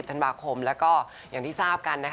๓๐ธันบาคมแล้วก็อย่างที่ทราบกัน